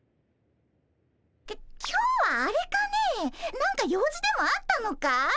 き今日はあれかね何か用事でもあったのかい？